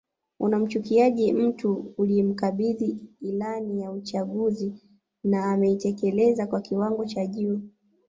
Unamchukiaje mtu uliyemkabidhi ilani ya uchaguzi na ameitekeleza kwa kiwango cha juu